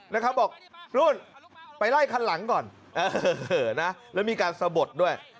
นะครับบอกนู่นไปไล่คันหลังก่อนเออนะแล้วมีการสะบดด้วย